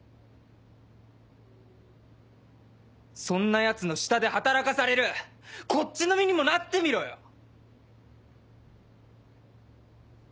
そんなヤツの下で働かされるこっちの身にもなってみろよ！